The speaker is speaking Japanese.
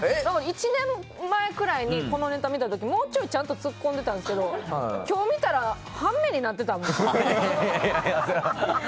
１年前くらいにこのネタ見た時にもうちょいちゃんとツッコんでいたんですけど今日見たら半目になってたもん。